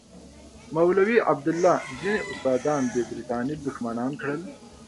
مولوي عبیدالله ځینې استادان د برټانیې دښمنان کړل.